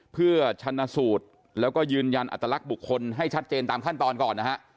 เพื่อชันสูตรแล้วก็ยืนยันอัตลักษณ์บุคคลให้ชัดเจนตามขั้นตอนก่อนนะฮะ